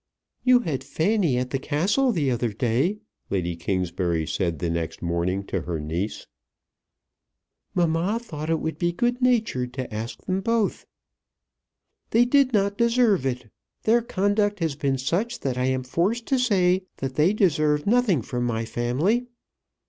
"You had Fanny at the Castle the other day," Lady Kingsbury said the next morning to her niece. "Mamma thought it would be good natured to ask them both." "They did not deserve it. Their conduct has been such that I am forced to say that they deserve nothing from my family.